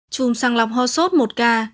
chùm sàng lọc ho sốt một ca